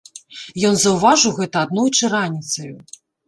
Ён заўважыў гэта аднойчы раніцаю.